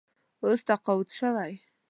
اوس تقاعد شوی.